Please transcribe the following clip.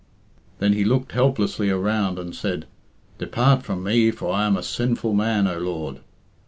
_" Then he looked helplessly around and said, "Depart from me, for I am a sinful man, O Lord."